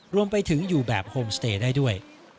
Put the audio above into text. รวมไปถึงอยู่แบบโฮมสเตย์ได้ด้วย